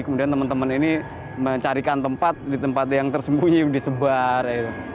kemudian teman teman ini mencarikan tempat di tempat yang tersembunyi disebar